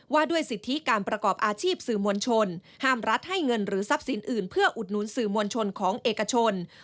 ว่าด้วยสิทธิการประกอบอาชีพสื่อมวลชนห้ามรัฐให้เงินหรือทรัพย์สินอื่นเพื่ออุดหนุนสื่อมวลชนของเอกชน